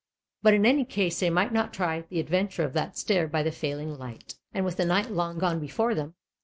But in any case they might not try the adventure of that stair by the failing light, and with the night long before them.